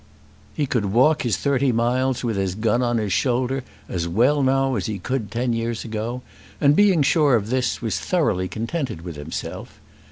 He could walk his thirty miles with his gun on his shoulder as well now as he could ten years ago; and being sure of this, was thoroughly contented with himself.